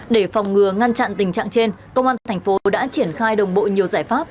để phòng ngừa ngăn chặn tình trạng trên công an thành phố đã triển khai đồng bộ nhiều giải pháp